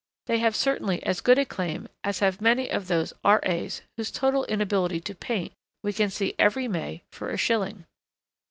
They have certainly as good a claim as have many of those R.A.'s whose total inability to paint we can see every May for a shilling.